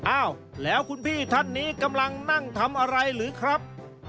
อ้าวแล้วคุณพี่ท่านนี้กำลังนั่งทำอะไรหรือครับ